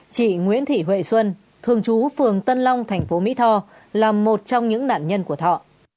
chị nguyễn thị huệ xuân thường trú phường tân long thành phố mỹ tho là một trong những nạn nhân của thọ